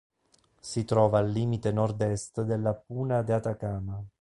Si trova al limite nord-est della Puna de Atacama.